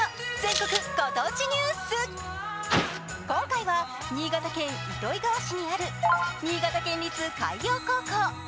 今回は新潟県糸魚川市にある新潟県立海洋高校。